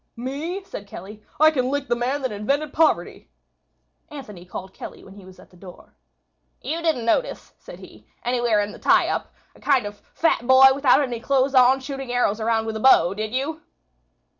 "Me?" said Kelly. "I can lick the man that invented poverty." Anthony called Kelly when he was at the door. "You didn't notice," said he, "anywhere in the tie up, a kind of a fat boy without any clothes on shooting arrows around with a bow, did you?"